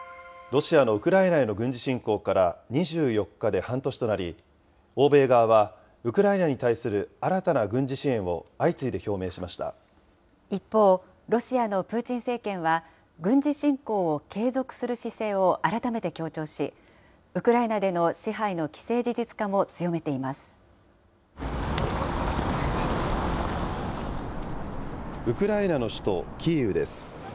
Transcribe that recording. ロシアのウクライナへの軍事侵攻から２４日で半年となり、欧米側は、ウクライナに対する新たな軍事支援を相次いで表明しまし一方、ロシアのプーチン政権は、軍事侵攻を継続する姿勢を改めて強調し、ウクライナでの支配ウクライナの首都キーウです。